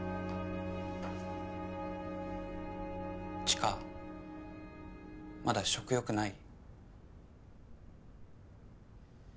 知花まだ食欲ない？